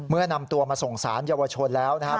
เมื่อนำตัวมาส่งสารเยาวชนแล้วนะครับ